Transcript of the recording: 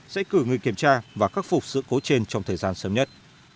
sẽ cử người kiểm tra và khắc phục sự cố trên trong thời gian sớm nhất